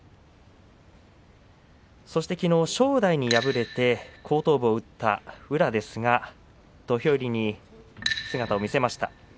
そしてきのう正代に敗れて後頭部を打った宇良ですが土俵入りに姿を見せました。